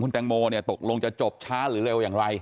แตงโมเนี่ยตกลงจะจบช้าหรือเร็วอย่างไร